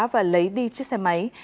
và lấy đi chiếc xe máy